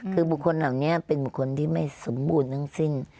คือบุคคลเหล่านี้เป็นบุคคลที่ไม่สมบูรณ์ทั้งสิ้น